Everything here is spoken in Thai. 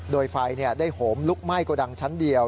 โดยไฟได้โหมลุกไหม้โกดังชั้นเดียว